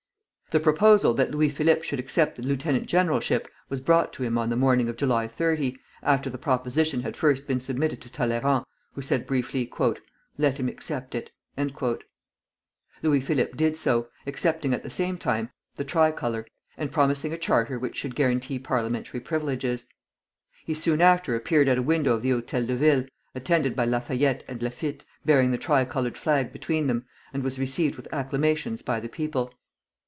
The proposal that Louis Philippe should accept the lieutenant generalship was brought to him on the morning of July 30, after the proposition had first been submitted to Talleyrand, who said briefly: "Let him accept it." Louis Philippe did so, accepting at the same time the tricolor, and promising a charter which should guarantee parliamentary privileges. He soon after appeared at a window of the Hôtel de Ville, attended by Lafayette and Laffitte, bearing the tricolored flag between them, and was received with acclamations by the people.